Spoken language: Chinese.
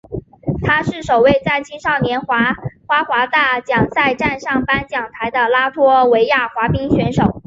他是首位在青少年花滑大奖赛站上颁奖台的拉脱维亚滑冰选手。